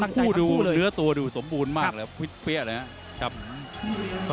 ทั้งคู่ดูเนื้อตัวดูสมบูรณ์มากเลยครับ